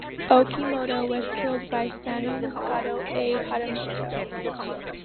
Okitomo was killed by Sano Masakoto, a "hatamoto".